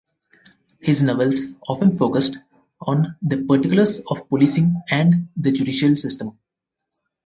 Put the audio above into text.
His novels often focussed on the particulars of policing and the judicial system.